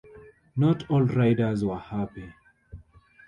Not all riders were happy.